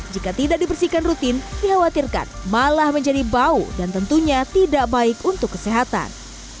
jika tidak dibersihkan rutin dikhawatirkan malah menjadi bau dan tentunya tidak baik untuk kesehatan